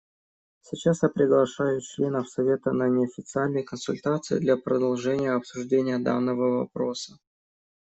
Сейчас я приглашаю членов Совета на неофициальные консультации для продолжения обсуждения данного вопроса.